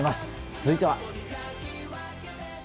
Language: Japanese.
続いては。